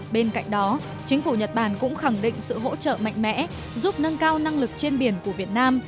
bên cạnh đó chính phủ nhật bản cũng khẳng định sự hỗ trợ mạnh mẽ giúp nâng cao năng lực trên biển của việt nam